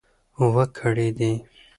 و کړېدی .